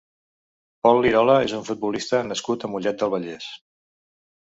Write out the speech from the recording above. Pol Lirola és un futbolista nascut a Mollet del Vallès.